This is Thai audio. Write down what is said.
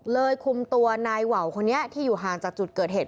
คุมตัวนายว่าวคนนี้ที่อยู่ห่างจากจุดเกิดเหตุ